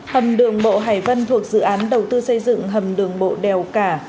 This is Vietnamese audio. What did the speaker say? hầm đường bộ hải vân thuộc dự án đầu tư xây dựng hầm đường bộ đèo cả